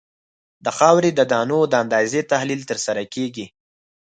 د خاورې د دانو د اندازې تحلیل ترسره کیږي